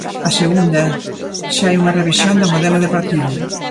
A segunda, se hai unha revisión do modelo de partido.